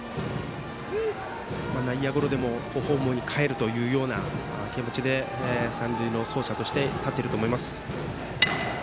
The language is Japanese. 内野ゴロでもホームにかえるというような三塁の走者として立っていると思います。